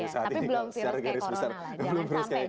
saat ini tapi belum virus kayak corona lah